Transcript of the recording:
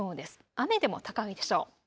雨でも高いでしょう。